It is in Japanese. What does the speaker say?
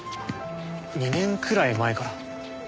２年くらい前から。